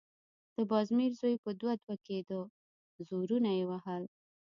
د بازمير زوی په دوه_ دوه کېده، زورونه يې وهل…